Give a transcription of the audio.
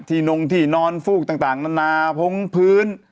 ที่นมที่นอนฟูกต่างนาพงค์พื้น